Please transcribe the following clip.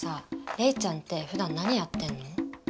レイちゃんってふだん何やってんの？